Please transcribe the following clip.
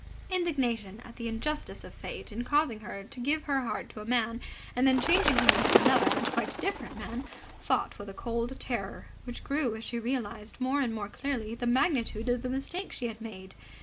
Indignation at the injustice of Fate in causing her to give her heart to a man and then changing him into another and quite different man fought with a cold terror, which grew as she realized more and more clearly the magnitude of the mistake she had made.